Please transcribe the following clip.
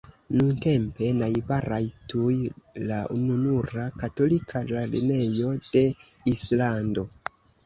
Nuntempe najbaras tuj la ununura katolika lernejo de Islando.